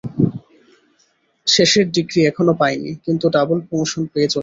শেষের ডিগ্রি এখনো পায় নি, কিন্তু ডবল প্রোমোশন পেয়ে চলেছে।